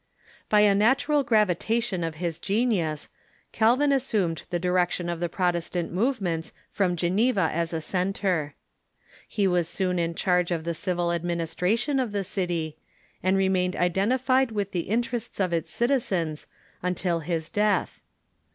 By a natural gravitation of his genius, Calvin assumed the direction of the Protestant movements from Geneva as a centre. He was soon in charge of the civil administration of the city, and re mained identified with the interests of its citizens until his death.